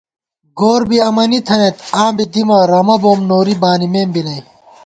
گور بی امَنی تھنَئیت آں بی دِمہ رَمہ بوم نوری بانِمېم بی نئ